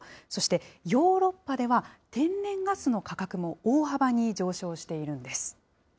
そしてヨーロッパでは、天然ガスの価格も大幅に上昇しているんです。